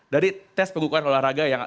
dari tes pengukuran olahraga yang